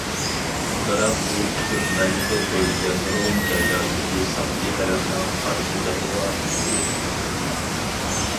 بىراق بۇ ئۇچۇر مەملىكەت بويىچە نۇرغۇن جايلاردىكى ساقچى تەرەپنىڭ قارشىلىقىغا ئۇچرىدى.